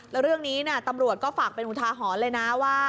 แล้วเรื่องนี้ตำรวจก็ฝากเป็นอุทาหรณ์เลยนะว่า